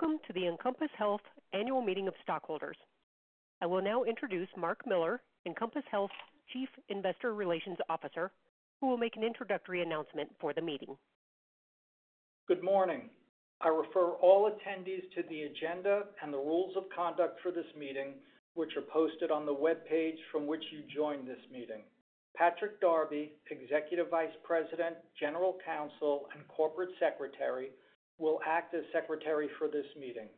Welcome to the Encompass Health Annual Meeting of Stockholders. I will now introduce Mark Miller, Encompass Health's Chief Investor Relations Officer, who will make an introductory announcement for the meeting. Good morning. I refer all attendees to the agenda and the rules of conduct for this meeting, which are posted on the web page from which you joined this meeting. Patrick Darby, Executive Vice President, General Counsel, and Corporate Secretary, will act as Secretary for this meeting.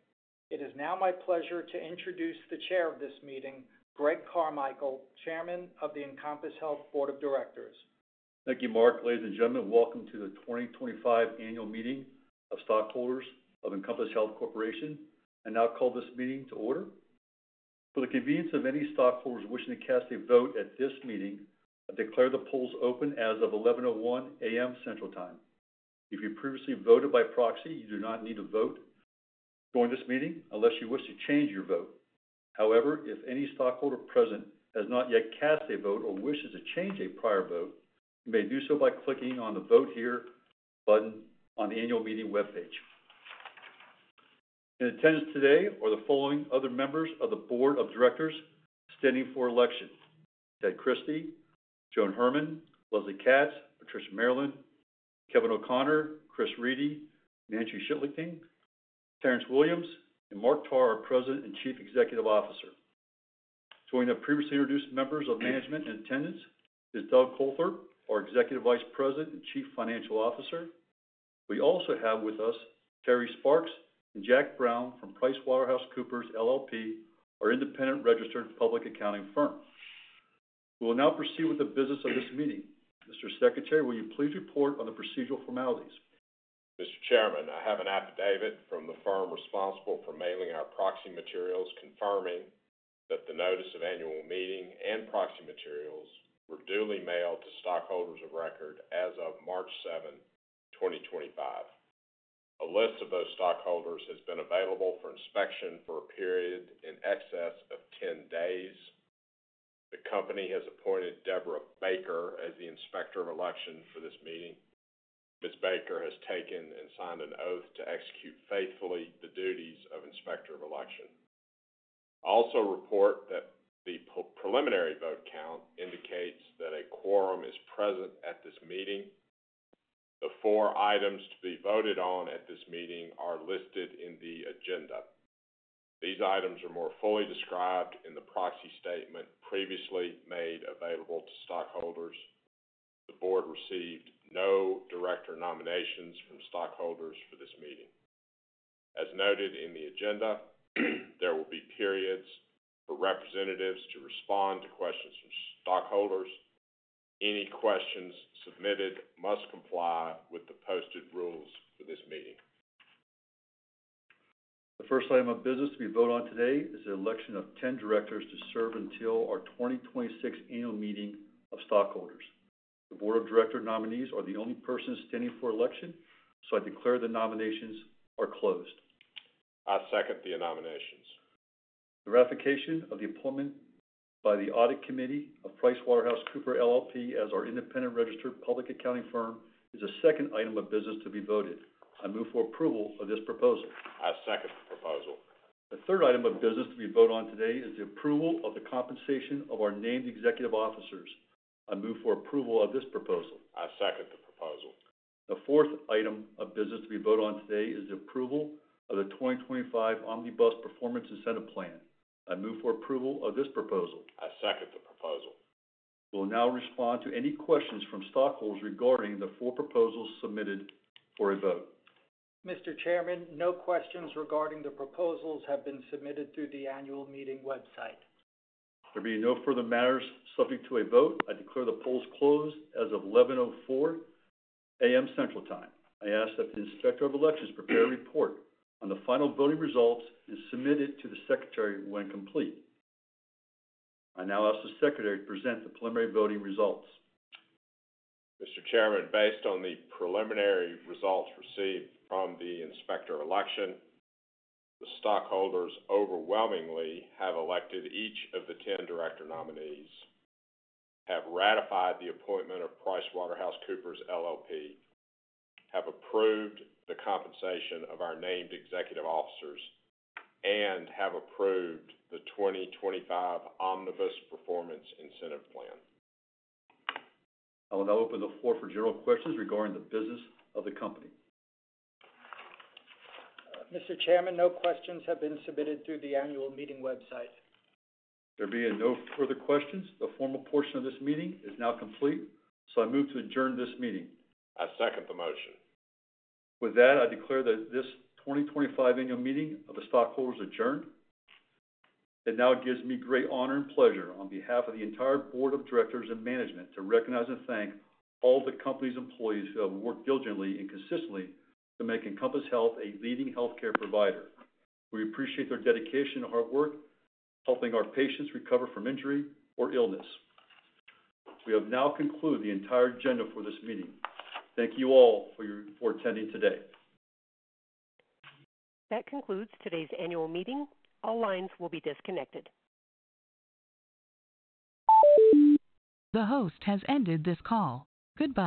It is now my pleasure to introduce the Chair of this meeting, Greg Carmichael, Chairman of the Encompass Health Board of Directors. Thank you, Mark. Ladies and gentlemen, welcome to the 2025 Annual Meeting of Stockholders of Encompass Health Corporation. I now call this meeting to order. For the convenience of any stockholders wishing to cast a vote at this meeting, I declare the polls open as of 11:01 A.M. Central Time. If you previously voted by proxy, you do not need to vote during this meeting unless you wish to change your vote. However, if any stockholder present has not yet cast a vote or wishes to change a prior vote, you may do so by clicking on the Vote Here button on the Annual Meeting web page. In attendance today are the following other members of the Board of Directors standing for election: Edward M. Christie, Joan E. Herman, Leslye G. Katz, Patricia A. Maryland, Kevin J. O'Connor, Christopher R. Reedy, Mark J. Tarr, our President and Chief Executive Officer, and Terrance G. Williams. Joining the previously introduced members of management in attendance is Doug Coltharp, our Executive Vice President and Chief Financial Officer. We also have with us Terry Sparks and Jack Brown from PricewaterhouseCoopers LLP, our independent registered public accounting firm. We will now proceed with the business of this meeting. Mr. Secretary, will you please report on the procedural formalities? Mr. Chairman, I have an affidavit from the firm responsible for mailing our proxy materials confirming that the notice of annual meeting and proxy materials were duly mailed to stockholders of record as of March 7, 2025. A list of those stockholders has been available for inspection for a period in excess of 10 days. The company has appointed Deborah Baker as the Inspector of Election for this meeting. Ms. Baker has taken and signed an oath to execute faithfully the duties of Inspector of Election. I also report that the preliminary vote count indicates that a quorum is present at this meeting. The four items to be voted on at this meeting are listed in the agenda. These items are more fully described in the proxy statement previously made available to stockholders. The board received no director nominations from stockholders for this meeting. As noted in the agenda, there will be periods for representatives to respond to questions from stockholders. Any questions submitted must comply with the posted rules for this meeting. The first item of business to be voted on today is the election of 10 directors to serve until our 2026 Annual Meeting of Stockholders. The Board of Directors nominees are the only persons standing for election, so I declare the nominations are closed. I second the nominations. The ratification of the appointment by the Audit Committee of PricewaterhouseCoopers LLP as our independent registered public accounting firm is the second item of business to be voted. I move for approval of this proposal. I second the proposal. The third item of business to be voted on today is the approval of the compensation of our named executive officers. I move for approval of this proposal. I second the proposal. The fourth item of business to be voted on today is the approval of the 2025 Omnibus Performance Incentive Plan. I move for approval of this proposal. I second the proposal. We will now respond to any questions from stockholders regarding the four proposals submitted for a vote. Mr. Chairman, no questions regarding the proposals have been submitted through the Annual Meeting website. There being no further matters subject to a vote, I declare the polls closed as of 11:04 A.M. Central Time. I ask that the Inspector of Election prepare a report on the final voting results and submit it to the Secretary when complete. I now ask the Secretary to present the preliminary voting results. Mr. Chairman, based on the preliminary results received from the Inspector of Election, the stockholders overwhelmingly have elected each of the 10 director nominees, have ratified the appointment of PricewaterhouseCoopers LLP, have approved the compensation of our named executive officers, and have approved the 2025 Omnibus Performance Incentive Plan. I will now open the floor for general questions regarding the business of the company. Mr. Chairman, no questions have been submitted through the Annual Meeting website. There being no further questions, the formal portion of this meeting is now complete, so I move to adjourn this meeting. I second the motion. With that, I declare that this 2025 Annual Meeting of the Stockholders adjourned. It now gives me great honor and pleasure on behalf of the entire Board of Directors and Management to recognize and thank all the company's employees who have worked diligently and consistently to make Encompass Health a leading healthcare provider. We appreciate their dedication and hard work helping our patients recover from injury or illness. We have now concluded the entire agenda for this meeting. Thank you all for attending today. That concludes today's Annual Meeting. All lines will be disconnected. The host has ended this call. Goodbye.